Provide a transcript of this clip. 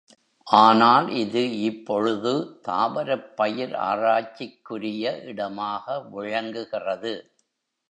ஆனால் இது இப்பொழுது தாவரப்பயிர் ஆராய்ச்சிக்குரிய இடமாக விளங்குகிறது.